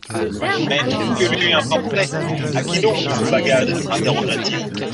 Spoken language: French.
Mais que lui importait !… A qui donc tout ce bagage ? interrogea-t-il.